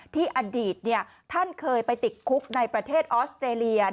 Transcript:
ที่อดีตท่านเคยไปติดคุกในประเทศออสเตรเลีย